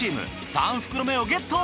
３袋目をゲット！